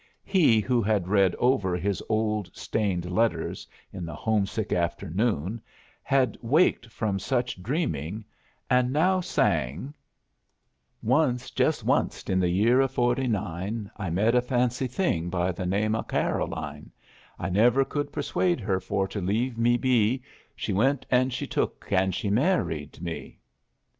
He who had read over his old stained letters in the homesick afternoon had waked from such dreaming and now sang: "Once jes' onced in the year o' 49, I met a fancy thing by the name o' Keroline; I never could persuade her for to leave me be; She went and she took and she married me."